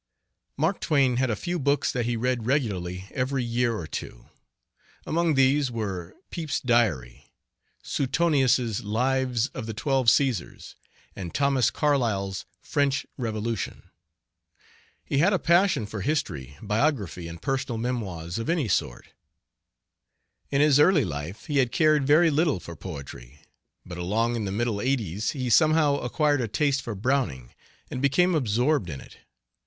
Mark Twain had a few books that he read regularly every year or two. Among these were 'Pepys's Diary', Suetonius's 'Lives of the Twelve Caesars', and Thomas Carlyle's 'French Revolution'. He had a passion for history, biography, and personal memoirs of any sort. In his early life he had cared very little for poetry, but along in the middle eighties he somehow acquired a taste for Browning and became absorbed in it.